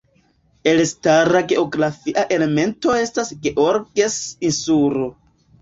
Elstara geografia elemento estas Georges Insulo.